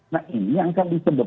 nah ini yang akan disebut